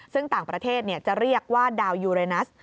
ซึ่งต่างประเทศจะเรียกว่าดาวยูเรนัส